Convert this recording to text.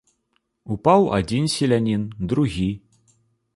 Упаў адзін селянін, другі.